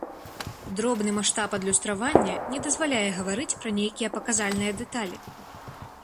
Дробны маштаб адлюстравання не дазваляе гаварыць пра нейкія паказальныя дэталі.